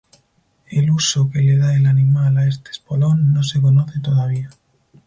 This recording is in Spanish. El uso que le da el animal a este espolón no se conoce todavía.